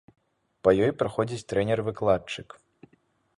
Па ёй праходзіць трэнер-выкладчык.